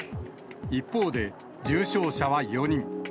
一方で、重症者は４人。